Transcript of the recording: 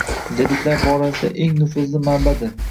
jadidlar borasida eng nufuzli manbadir.